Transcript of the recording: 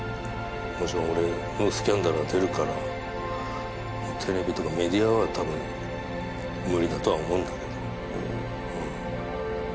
もちろん俺のスキャンダルが出るからテレビとかメディアは多分無理だとは思うんだけど。